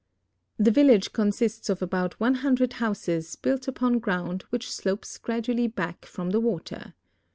'i'he vilhige consists of ahout one hundred houses built upon ground which slopes gradually l»ack from the water.